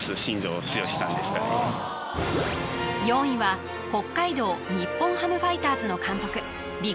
４位は北海道日本ハムファイターズの監督